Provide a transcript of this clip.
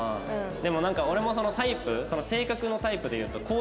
でもなんか俺もタイプ性格のタイプでいうと。